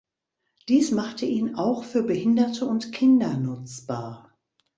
Dies machte ihn auch für Behinderte und Kinder nutzbar.